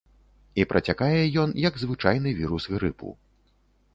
І працякае ён, як звычайны вірус грыпу.